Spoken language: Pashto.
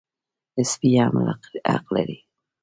سپي هم حق لري.